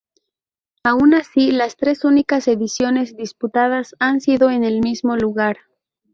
Aun así, las tres únicas ediciones disputadas han sido en el mismo lugar.